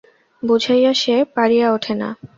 বুঝাইয়া সে পারিয়া ওঠে না।